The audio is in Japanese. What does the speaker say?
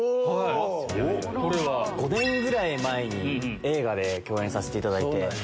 ５年ぐらい前に映画で共演させていただいて。